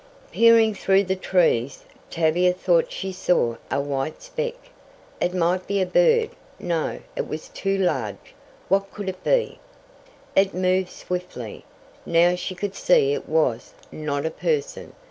Peering through the trees, Tavia thought she saw a white speck. It might be a bird no, it was too large! What could it be? It moved swiftly now she could see it was not a person!